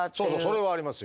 それはありますよ。